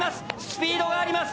スピードがあります。